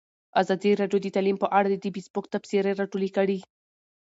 ازادي راډیو د تعلیم په اړه د فیسبوک تبصرې راټولې کړي.